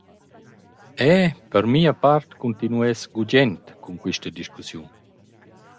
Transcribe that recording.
Eu per mia part cuntinuess gugent cun quista discussiun.